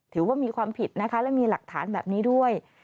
ถือว่ามีความผิดนะคะและมีหลักฐานแบบนี้ด้วย